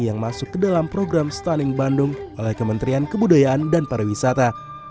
yang masuk ke dalam program stunning bandung oleh kementerian kebudayaan dan pariwisata